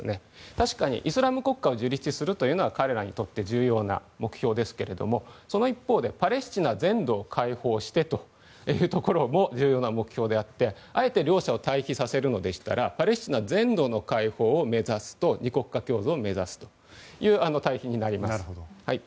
確かにイスラム国家を樹立するというのは彼らにとって重要な目標ですけれどもその一方で、パレスチナ全土を解放してというのも重要な目標であってあえて両者を対比させるのでしたらパレスチナ全土の解放を目指すと２国家共存を目指すという対比になります。